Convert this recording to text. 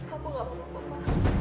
aku gak mau papa